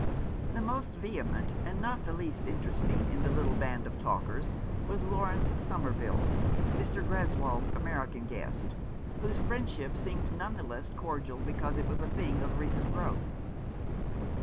The most vehement, and not the least interesting in the little band of talkers, was Laurence Somer ville, Mr. Greswold's American guest, whose friend ship seemed none the less cordial because it was a thing of recent growth.